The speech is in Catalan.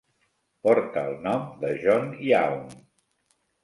Porta el nom de John Young.